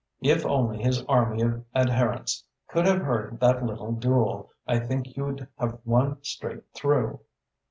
If only his army of adherents could have heard that little duel, I think you'd have won straight through!"